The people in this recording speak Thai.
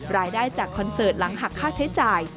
รายได้จากคอนเสิร์ตหลังหักค่าใช้จ่าย